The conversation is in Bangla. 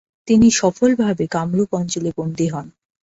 তিনি সফলভাবে কামরূপ অঞ্চলে বন্দী হন।